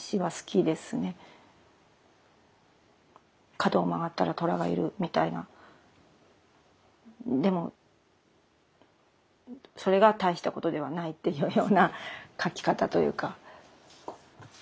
角を曲がったら虎がいるみたいなでもそれが大したことではないというような書き方というか。